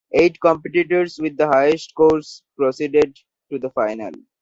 Eight competitors with the highest scores proceeded to the finals.